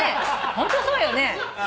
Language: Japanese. ホントそうよね！